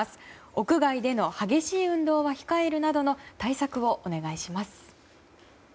屋外での激しい運動は控えるなどの対策をお願いします。